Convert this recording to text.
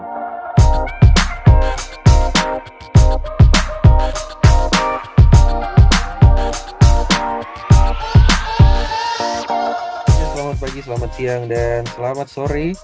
selamat pagi selamat siang dan selamat sore